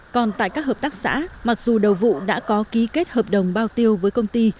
còn tại các hợp tác xã mặc dù đầu vụ đã có ký kết hợp đồng bao tiêu với công ty